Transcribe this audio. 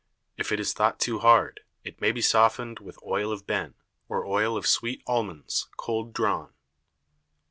If it is thought too hard, it may be softened with Oil of Ben, or Oil of Sweet Almonds, cold drawn.